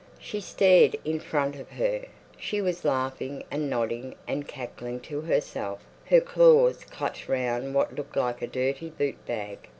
She stared in front of her, she was laughing and nodding and cackling to herself; her claws clutched round what looked like a dirty boot bag.